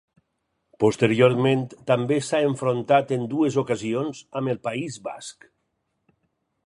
Posteriorment també s'ha enfrontat en dues ocasions amb el País Basc.